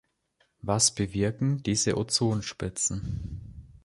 Was bewirken diese Ozonspitzen?